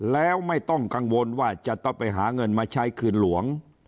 แล้วไม่ต้องกังวลว่าจะต้องไปหาเงินมาใช้คืนหลวง